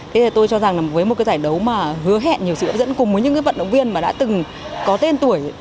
thế thì tôi cho rằng là với một cái giải đấu mà hứa hẹn nhiều sự hấp dẫn cùng với những cái vận động viên mà đã từng có tên tuổi